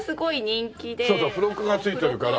そうそう付録が付いてるから。